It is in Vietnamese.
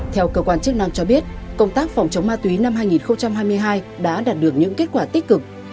theo cơ quan chức năng cho biết công tác phòng chống ma túy năm hai nghìn hai mươi hai đã đạt được những kết quả tích cực